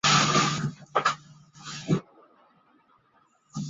后印象派是印象派发展而来的一种油画流派。